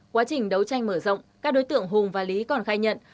quá trình đấu tranh mở rộng các đối tượng hùng và lý còn khai nhận